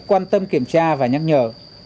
quan tâm kiểm tra và nhắc nhở